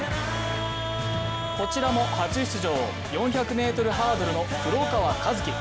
こちらも初出場、４００ｍハードルの黒川和樹。